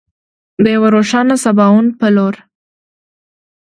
د یو روښانه سباوون په لور.